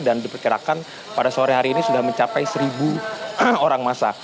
dan diperkirakan pada sore hari ini sudah mencapai seribu orang massa